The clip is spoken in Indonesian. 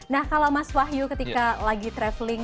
nah kalau mas wahyu ketika lagi traveling